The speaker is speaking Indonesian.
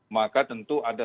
maka tentu ada